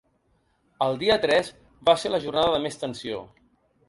El dia tres va ser la jornada de més tensió.